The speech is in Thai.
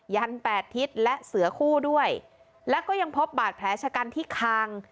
ันแปดทิศและเสือคู่ด้วยแล้วก็ยังพบบาดแผลชะกันที่คาง